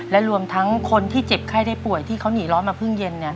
และรวมทั้งคนที่เจ็บไข้ได้ป่วยที่เขาหนีร้อนมาเพิ่งเย็น